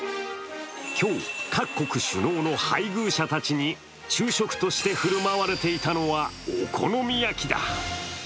今日、各国首脳の配偶者たちに昼食として振る舞われていたのがお好み焼きだ。